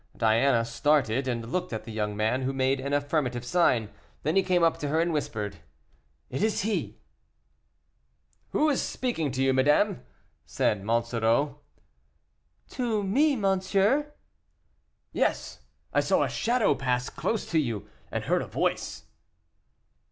Diana started, and looked at the young man, who made an affirmative sign; then he came up to her and whispered: "It is he!" "Who is speaking to you, madame?" said Monsoreau. "To me, monsieur?" "Yes, I saw a shadow pass close to you, and heard a voice."